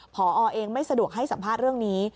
พอเองไม่สะดวกให้สัมภาษณ์เรื่องนี้